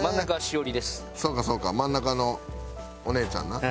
そうかそうか真ん中のお姉ちゃんな。